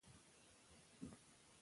که علم په پښتو وي نو پوهه نه مړکېږي.